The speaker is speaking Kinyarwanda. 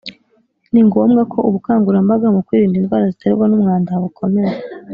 Ni ngombwa ko ubukangurambaga mu kwirinda indwara ziterwa n umwanda bukomeza